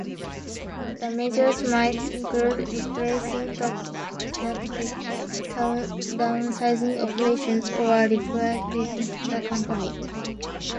The measures might include replacing top executives, downsizing operations, or liquidating the company.